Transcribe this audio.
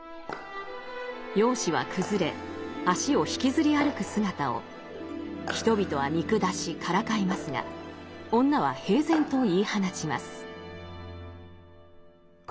容姿は崩れ足を引きずり歩く姿を人々は見下しからかいますが女は平然と言い放ちます。